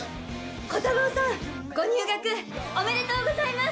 コタローさんご入学おめでとうございます！